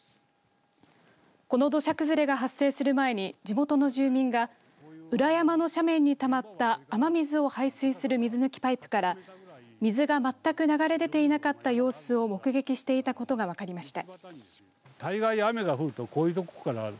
この土砂崩れが発生する前に地元の住民が裏山の斜面にたまった雨水を排水する水抜きパイプから水が全く流れ出ていなかった様子を目撃していたことが分かりました。